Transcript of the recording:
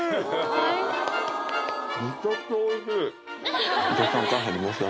めちゃくちゃおいしい！